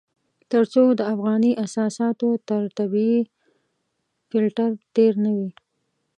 تر څو د افغاني اساساتو تر طبيعي فلټر تېر نه وي.